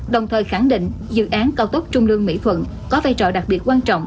đồng thời khẳng định dự án cao tốc trung lương mỹ thuận có vai trò đặc biệt quan trọng